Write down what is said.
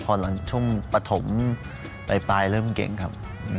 พอหลังช่วงปฐมปลายเริ่มเก่งครับ